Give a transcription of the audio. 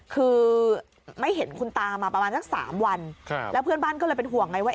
คือไม่เห็นคุณตามาประมาณสัก๓วันแล้วเพื่อนบ้านก็เลยเป็นห่วงไงว่า